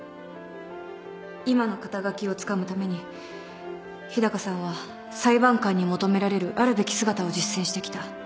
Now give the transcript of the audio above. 今の肩書をつかむために日高さんは裁判官に求められるあるべき姿を実践してきた。